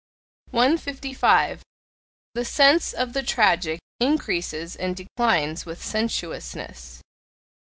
155. The sense of the tragic increases and declines with sensuousness.